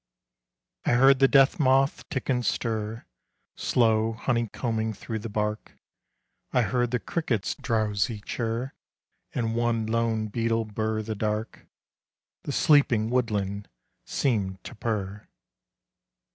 I heard the death moth tick and stir, Slow honeycombing through the bark; I heard the crickets' drowsy chirr, And one lone beetle burr the dark The sleeping woodland seemed to purr.